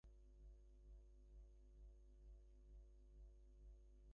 হয়তো তোমার অন্তর্মুখী ব্যক্তিত্বের কারণে তুমি স্কুল-কলেজে কোনো ভালো বন্ধু পাওনি।